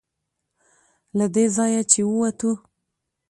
له دې ځایه چې ووتو.